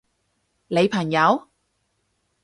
你朋友？